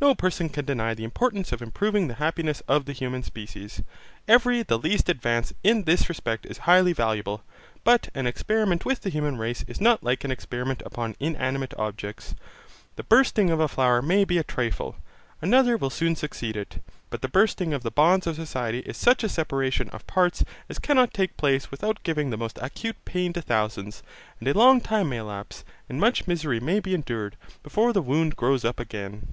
No person can deny the importance of improving the happiness of the human species. Every the least advance in this respect is highly valuable. But an experiment with the human race is not like an experiment upon inanimate objects. The bursting of a flower may be a trifle. Another will soon succeed it. But the bursting of the bonds of society is such a separation of parts as cannot take place without giving the most acute pain to thousands: and a long time may elapse, and much misery may be endured, before the wound grows up again.